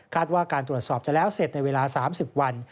ว่าการตรวจสอบจะแล้วเสร็จในเวลา๓๐วัน